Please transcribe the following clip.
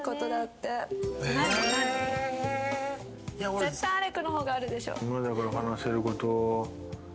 絶対アレクのほうがあるでしょ。